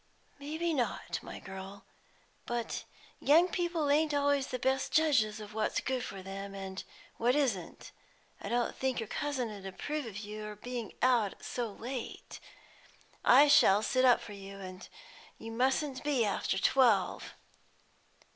"Maybe not, my girl. But young people ain't always the best judges of what's good for them, and what isn't. I don't think your cousin 'ud approve of your being out so late. I shall sit up for you, and you mustn't be after twelve."